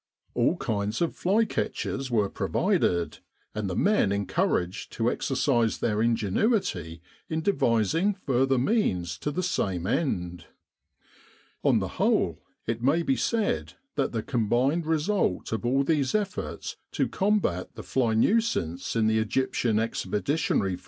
All kinds of fly catchers were provided, and the men encouraged to exercise their ingenuity in devising further means to the same end. On the whole, it may be said that the combined re sult of all these efforts to combat the fly nuisance in the E.E.F.